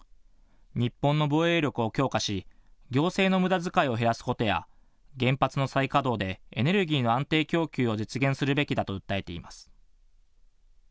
日本の防衛力を強化し、行政のむだづかいを減らすことや、原発の再稼働でエネルギーの安定供給を実現するべきだと訴えています。